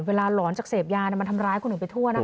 หลอนจากเสพยามันทำร้ายคนอื่นไปทั่วนะคะ